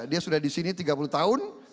dia sudah di sini tiga puluh tahun